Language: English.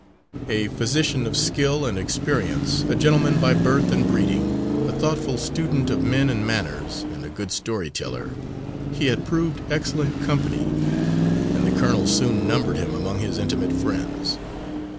A physician of skill and experience, a gentleman by birth and breeding, a thoughtful student of men and manners, and a good story teller, he had proved excellent company and the colonel soon numbered him among his intimate friends.